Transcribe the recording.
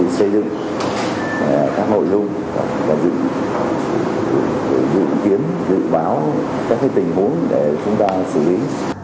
vì xây dựng tham hội luôn và dự kiến dự báo các tình huống để chúng ta xử lý